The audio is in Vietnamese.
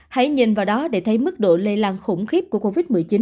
hãy nhìn vào đó để thấy mức độ lây lan khủng khiếp của covid một mươi chín